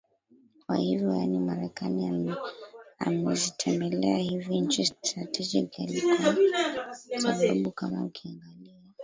kwa hivyo yaani marekani ame amezitembelea hivi nchi strategically kwa sababu kama ukiangalia